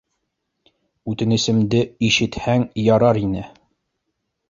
Үтенесемде ишетһәң ярар ине.